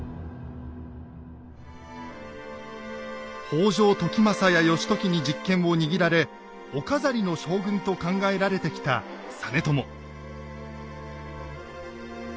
北条時政や義時に実権を握られお飾りの将軍と考えられてきた実朝。